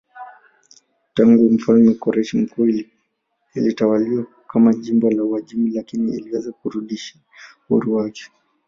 Tangu mfalme Koreshi Mkuu ilitawaliwa kama jimbo la Uajemi lakini iliweza kurudisha uhuru wake.